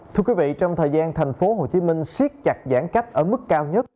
thưa quý vị trong thời gian thành phố hồ chí minh siết chặt giãn cách ở mức cao nhất